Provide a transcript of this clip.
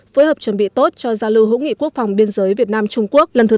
phối hợp chuẩn bị tốt cho giao lưu hữu nghị quốc phòng biên giới việt nam trung quốc lần thứ chín